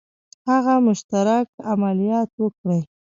هغه مشترک عملیات وکړي.